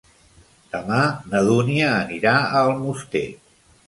Demà na Dúnia anirà a Almoster.